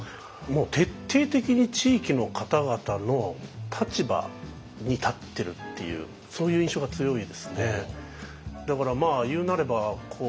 徹底的に地域の方々の立場に立ってるっていうそういう印象が強いですね。